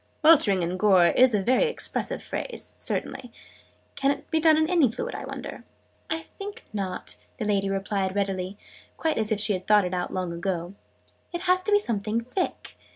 "'Weltering in gore' is a very expressive phrase, certainly. Can it be done in any fluid, I wonder?" "I think not," the lady readily replied quite as if she had thought it out, long ago. "It has to be something thick.